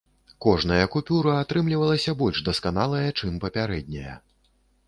Кожная купюра атрымлівалася больш дасканалая, чым папярэдняя.